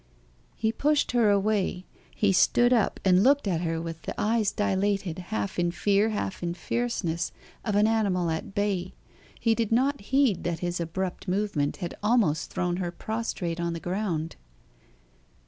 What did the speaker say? He pushed her away; he stood up, and looked at her with the eyes dilated, half in fear, half in fierceness, of an animal at bay; he did not heed that his abrupt movement had almost thrown her prostrate on the ground.